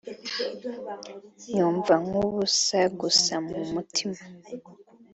yumva nk’ubusa gusa mu mutima